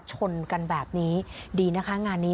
ชนกันแบบนี้ดีนะคะ